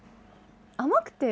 甘くて。